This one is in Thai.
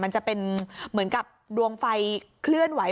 มันจะเป็นเหมือนกับดวงไฟเคลื่อนไหว